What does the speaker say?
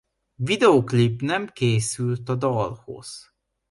Videoklip nem készült a dalhoz.